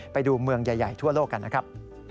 ไปดูเมืองใหญ่ทั่วโลกกันนะครับ